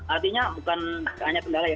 artinya bukan hanya kendala ya